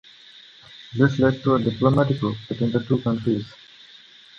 This led to a diplomatic row between the two countries.